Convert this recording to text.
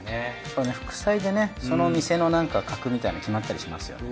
副菜でねその店のなんか格みたいなの決まったりしますよね。